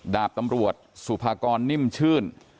ดาบตำรวจสุภากรนิ่มชื่น